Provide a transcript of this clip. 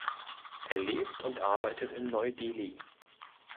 Er lebt und arbeitet in Neu-Delhi.